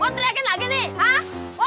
mau teriakin lagi nih hah